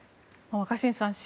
若新さん